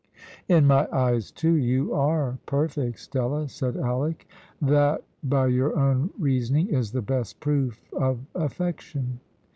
"In my eyes, too, you are perfect, Stella," said Alick. "That by your own reasoning is the best proof of affection."